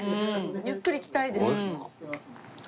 ゆっくり来たいです。